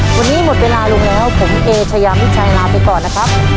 วันนี้หมดเวลาลงแล้วผมเอเชยามิชัยลาไปก่อนนะครับ